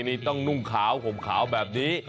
นี่ต้องนุ่งขาวห่มขาวแบบนี้